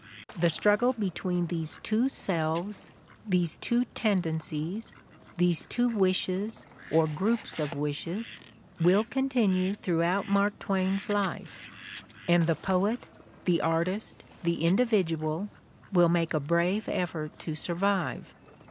The struggle between these two selves, these two tendencies, these two wishes or groups of wishes, will continue through out Mark Twain's life, and the poet, the artist, the individual, will make a brave effort to survive.